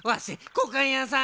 こうかんやさん！